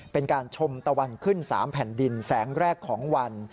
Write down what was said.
เป็นการชมตะวันขึ้น๓แผ่นดินแสงแรกของวัน